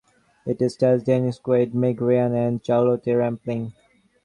It stars Dennis Quaid, Meg Ryan, and Charlotte Rampling.